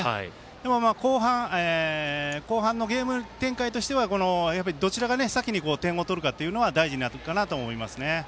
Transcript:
でも、後半のゲーム展開としてはどちらが先に点を取るかというのは大事になると思いますね。